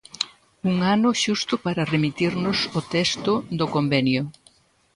Un ano xusto para remitirnos o texto do convenio.